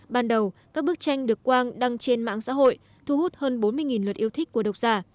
ban đầu các bức tranh được quang đăng trên mạng xã hội thu hút hơn bốn mươi lượt yêu thích của độc giả